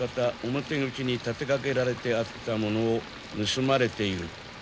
表口に立てかけられてあったものを盗まれている。